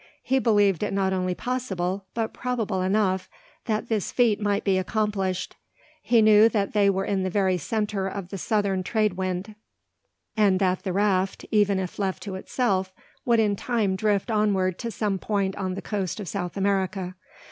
He believed it not only possible, but probable enough, that this feat might be accomplished. He knew that they were in the very centre of the southern trade wind; and that the raft, even if left to itself, would in time drift onward to some point on the coast of South America.